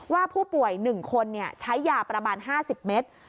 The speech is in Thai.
ว่าผู้ป่วย๑คนใช้ยาประมาณ๕๐เมตร